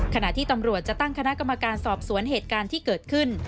ขณะที่ตำรวจจะตั้งคณะกรรมการสอบสวนเหตุการณ์ที่เกิดขึ้น